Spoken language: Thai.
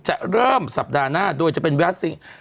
จะเริ่มสัปดาห์หน้าโดยจะเป็นแวสติก